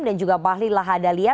dan juga bahlil lahadalia